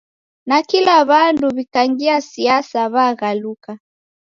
Nakila w'andu w'ikangia siasa w'aghaluka